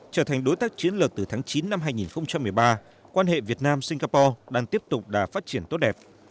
trở thành đối tác chiến lược từ tháng chín năm hai nghìn một mươi ba quan hệ việt nam singapore đang tiếp tục đà phát triển tốt đẹp